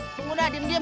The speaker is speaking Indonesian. tunggu dah diam diam